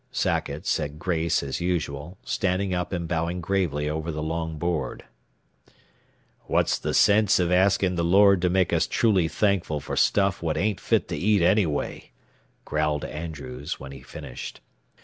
Sackett said grace as usual, standing up and bowing gravely over the long board. "What's the sense of asking the Lord to make us truly thankful for stuff what ain't fit to eat anyway," growled Andrews, when he finished.